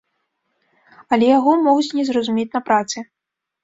Але яго могуць не зразумець на працы.